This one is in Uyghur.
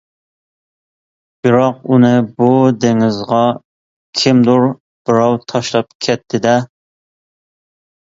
بىراق، ئۇنى بۇ دېڭىزغا كىمدۇر بىراۋ تاشلاپ كەتتى-دە؟ !